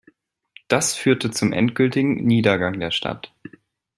Das führte zum endgültigen Niedergang der Stadt.